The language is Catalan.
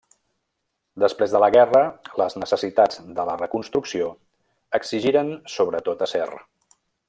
Després de la guerra les necessitats de la reconstrucció exigiren sobretot acer.